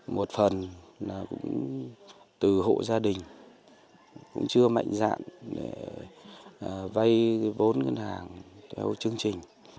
một phần là cũng từ hộ gia đình cũng chưa mạnh dạng để vay vốn ngân hàng theo chương trình